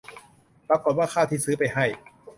ปรากฏว่าข้าวที่ซื้อไปให้